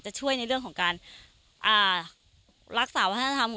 ชาวนาในพื้นที่เข้ารวมกลุ่มและสร้างอำนาจต่อรองได้